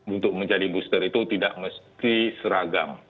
untuk menjadi booster itu tidak mesti seragam